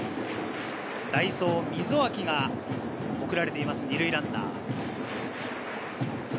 代走・溝脇が送られています、２塁ランナー。